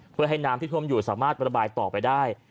เพื่อให้น้ำที่ท่วมอยู่สามารถระบายต่อไปได้